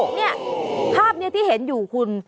เนี่ยภาพที่เห็นอยู่คุณ